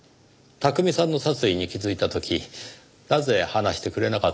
巧さんの殺意に気づいた時なぜ話してくれなかったのですか？